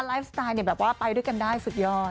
ไลฟ์สไตล์แบบว่าไปด้วยกันได้สุดยอด